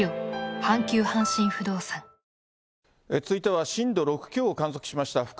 続いては震度６強を観測しました